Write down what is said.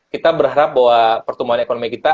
kita berharap bahwa pertumbuhan ekonomi kita